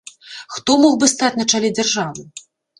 Хто мог бы стаць на чале дзяржавы?